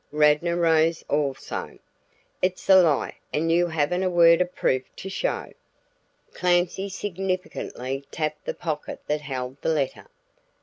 Radnor rose also. "It's a lie, and you haven't a word of proof to show." Clancy significantly tapped the pocket that held the letter.